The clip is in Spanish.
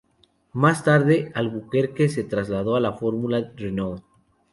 Más tarde, Albuquerque se trasladó a la Fórmula Renault.